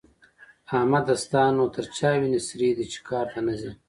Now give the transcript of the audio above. احمده! ستا نو تر چا وينې سرې دي چې کار ته نه ځې؟